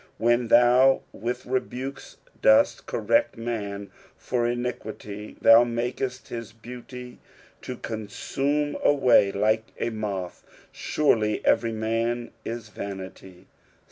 11 When thou with rebukes dost correct man for iniquity, thou tnakest his beauty to consume away like a moth ; surely every man is vanity.